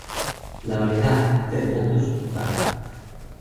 La variedad "C. dentatus" var.